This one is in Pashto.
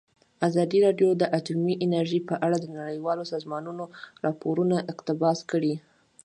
ازادي راډیو د اټومي انرژي په اړه د نړیوالو سازمانونو راپورونه اقتباس کړي.